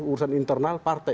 urusan internal partai